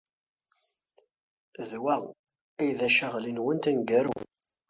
D wa ay d acaɣli-nwent aneggaru.